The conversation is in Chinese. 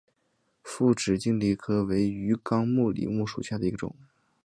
复齿脂鲤科为辐鳍鱼纲脂鲤目的一个科。